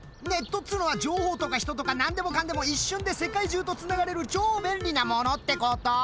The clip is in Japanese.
っつうのは情報とか人とかなんでもかんでも一瞬で世界中とつながれる超便利なものってこと。